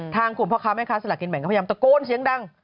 กลุ่มพ่อค้าแม่ค้าสละกินแบ่งก็พยายามตะโกนเสียงดัง